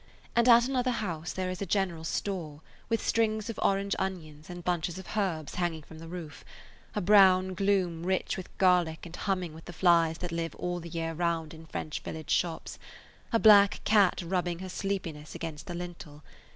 And at another house there is a general store with strings of orange onions and bunches of herbs hanging from the roof, a brown gloom rich with garlic and humming with the flies that live all the year round in French village shops, a black cat rubbing her sleepiness against the lintel.